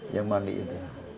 yang mandi itu